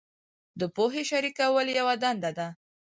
د پوهې شریکول یوه دنده ده.